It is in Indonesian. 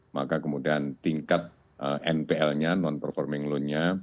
maka kemudian tingkat npl nya non performing loan nya